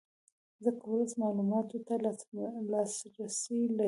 ځکه ولس معلوماتو ته لاسرې لري